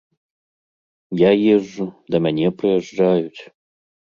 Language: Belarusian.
Я езджу, да мяне прыязджаюць.